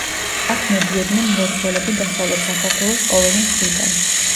აქ მოდიოდნენ მლოცველები დასავლეთ საქართველოს ყოველი მხრიდან.